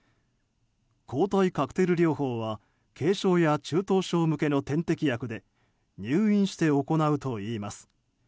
抗体カクテル療法は軽症や中等症向けの点滴薬で入院して行うといいます。